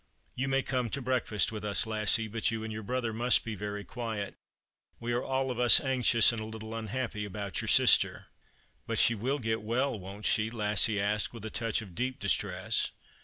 " You may come to breakfast with us, Lassie ; but you and yoiu brother must be very quiet. We are all of us anxious and a little unhappy about your sister." " But she will get well, won't she ?" Lassie asked, with a touch of deep distress.